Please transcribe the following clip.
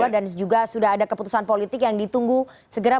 dan juga sudah ada keputusan politik yang ditunggu segera